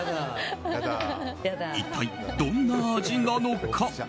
一体どんな味なのか。